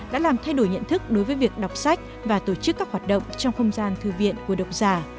đã làm thay đổi nhận thức đối với việc đọc sách và tổ chức các hoạt động trong không gian thư viện của độc giả